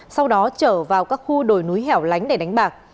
sau đó trở vào các khu đồi núi hẻo lánh để đánh bạc